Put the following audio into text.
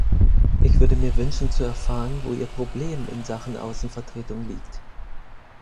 Ich würde mir wünschen zu erfahren, wo Ihr Problem in Sachen Außenvertretung liegt.